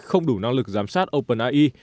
không đủ năng lực giám sát openre